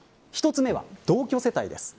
１つ目は同居世帯です。